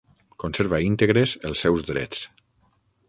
Conserva íntegres els seus drets.